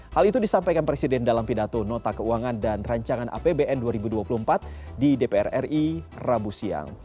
hal itu disampaikan presiden dalam pidato nota keuangan dan rancangan apbn dua ribu dua puluh empat di dpr ri rabu siang